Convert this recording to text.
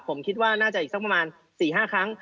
ผมคิดว่าน่าจะอีกสักประมาณ๔๕ครั้ง